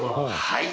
はい。